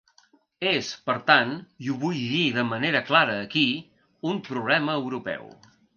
És, per tant, i ho vull dir de manera clara aquí, un problema europeu.